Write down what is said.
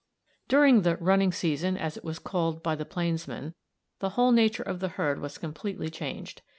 During the "running season," as it was called by the plainsmen, the whole nature of the herd was completely changed.